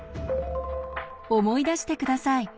思い出して下さい。